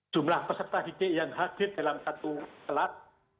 jumlah peserta hiti yang hadir dalam satu telat